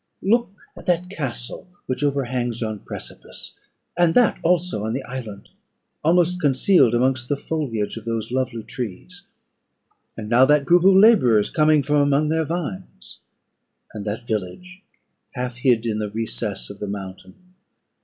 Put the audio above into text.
Look at that castle which overhangs yon precipice; and that also on the island, almost concealed amongst the foliage of those lovely trees; and now that group of labourers coming from among their vines; and that village half hid in the recess of the mountain.